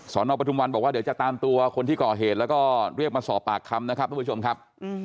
นอปทุมวันบอกว่าเดี๋ยวจะตามตัวคนที่ก่อเหตุแล้วก็เรียกมาสอบปากคำนะครับทุกผู้ชมครับ